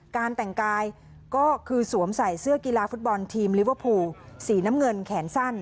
การแต่งกายก็คือสวมใส่เสื้อกีฬาฟุตบอลทีมลิเวอร์พูลสีน้ำเงินแขนสั้น